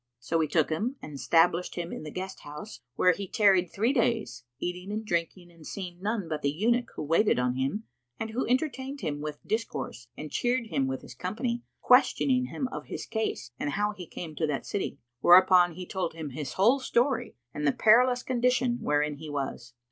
So he took him and stablished him in the guest house, where he tarried three days, eating and drinking and seeing none but the eunuch who waited on him and who entertained him with discourse and cheered him with his company, questioning him of his case and how he came to that city; whereupon he told him his whole story, and the perilous condition wherein he was.